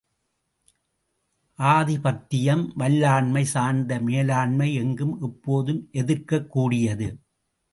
ஆதிபத்தியம், வல்லாண்மை சார்ந்த மேலாண்மை எங்கும் எப்போதும் எதிர்க்கக் கூடியது.